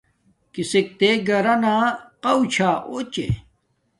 کسک تے گھرانا قوہ چھا اُچے